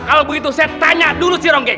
kalau begitu saya tanya dulu si rongke